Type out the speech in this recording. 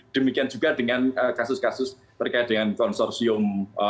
demikian juga dengan kasus kasus terkait dengan konsorsium tiga ratus tiga